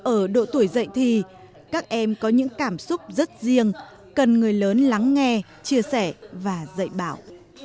ở độ tuổi dạy thì các em có những cảm xúc rất riêng cần người lớn lắng nghe chia sẻ và dạy bảo